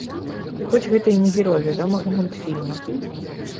Хоць гэта і не герой вядомага мультфільма.